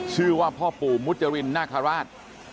ชื่อว่าพ่อปู่มุจรินนาคาราช